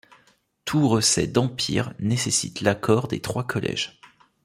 Tout recès d'Empire nécessite l'accord des trois collèges.